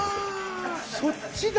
あそっちだ。